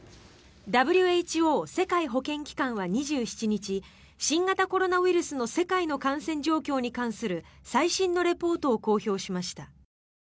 ＷＨＯ・世界保健機関は２７日新型コロナウイルスの世界の感染状況に関する最新のリポートを公表しました。